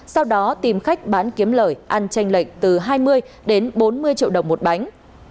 sau đó tìm khách bán kiếm lời ăn tranh lệnh từ hai mươi bốn mươi triệu đồng một bánh